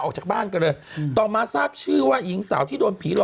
ออกจากบ้านกันเลยต่อมาทราบชื่อว่าหญิงสาวที่โดนผีหล